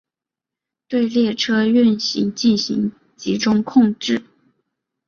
对列车运行进行集中控制。